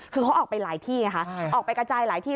คือเขาออกไปหลายที่ไงคะออกไปกระจายหลายที่